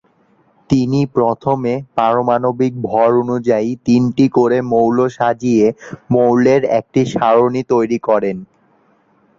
তিনি প্রথমে পারমাণবিক ভর অনুযায়ী তিনটি করে মৌল সাজিয়ে মৌলের একটি সারণি তৈরি করেন।